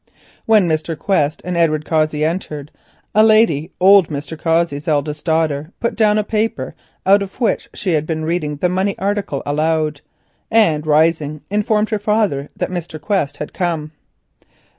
When Mr. Quest and Edward Cossey entered, a lady, old Mr. Cossey's eldest daughter, put down a paper out of which she had been reading the money article aloud, and, rising, informed her father that Mr. Quest had come.